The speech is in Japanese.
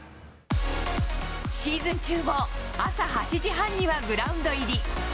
シーズン中も、朝８時半にはグラウンド入り。